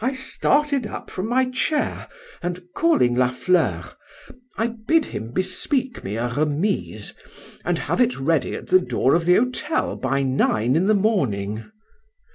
—I started up from my chair, and calling La Fleur: I bid him bespeak me a remise, and have it ready at the door of the hotel by nine in the morning.